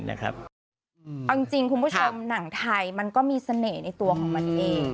เอาจริงคุณผู้ชมหนังไทยมันก็มีเสน่ห์ในตัวของมันเอง